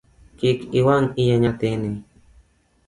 Kik iwang’ iya nyathini.